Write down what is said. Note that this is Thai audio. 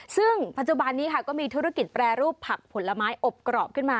ซึ่งปัจจุบันนี้ค่ะก็มีธุรกิจแปรรูปผักผลไม้อบกรอบขึ้นมา